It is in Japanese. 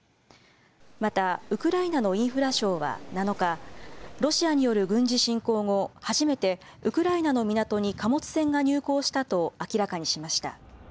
また、ウクライナのインフラ省は７日、ロシアによる軍事侵攻後、初めてウクライナの港に貨物船が入港したと明らかにしました。